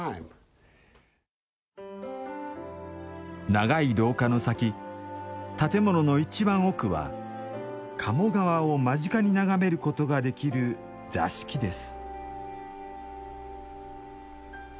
長い廊下の先建物のいちばん奥は鴨川を間近に眺めることができる座敷です。